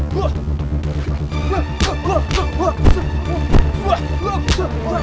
baik baik baik